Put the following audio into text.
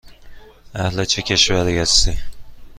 اهل چه کشوری هستی؟